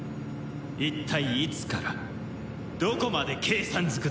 一体いつからどこまで計算ずくだ？